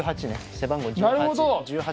背番号１８１８